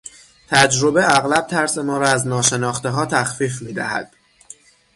تجربه اغلب ترس ما را از ناشناختهها تخفیف میدهد.